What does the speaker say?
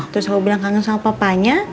terus aku bilang kangen sama papanya